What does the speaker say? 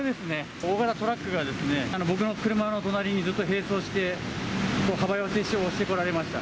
大型トラックがですね、僕の車の隣にずっと並走して、幅寄せしてこられました。